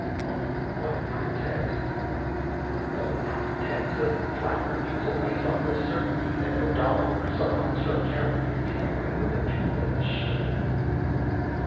"On what pretext?" "No pretext. A flat refusal, based on the certainty that Odal or someone else from Kerak is tampering with the dueling machine."